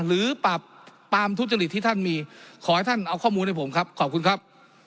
หรือปราบปรามทุจริตที่ท่านมีขอให้ท่านเอาข้อมูลให้ผมครับขอบคุณครับ